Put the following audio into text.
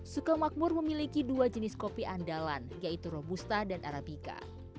suka makmur memiliki dua jenis kopi andalan yaitu robusta dan arabica